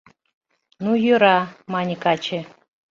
— Ну, йӧра, — мане каче.